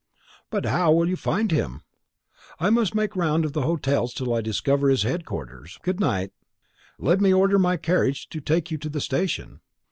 "But how will you find him?" "I must make a round of the hotels till I discover his head quarters. Good night." "Let me order my carriage to take you to the station."